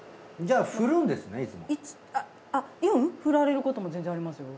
あううん振られることも全然ありますよ。